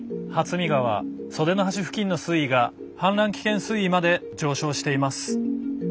見川袖乃橋付近の水位が氾濫危険水位まで上昇しています。